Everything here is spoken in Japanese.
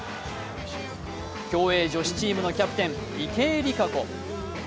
競泳女子チームのキャプテン・池江璃花子。